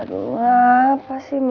aduh apa sih